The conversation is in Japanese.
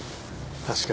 確かに。